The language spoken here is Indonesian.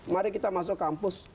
mari kita masuk kampus